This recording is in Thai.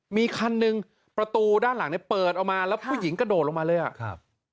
มีคันหนึ่งประตูด้านหลังเนี่ยเปิดออกมาแล้วผู้หญิงกระโดดลงมาเลยอ่ะครับ